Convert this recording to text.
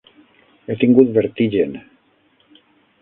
He tingut vertigen.